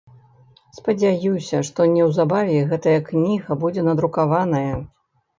Спадзяюся, што неўзабаве гэтая кніга будзе надрукаваная.